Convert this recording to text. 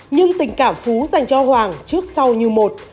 nhưng tình cảm phú dành cho hoàng trước sau như một